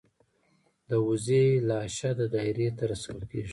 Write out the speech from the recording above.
د وزې لاشه د دایرې ته رسول کیږي.